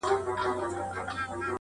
هر انسان خپل حقيقت لټوي تل,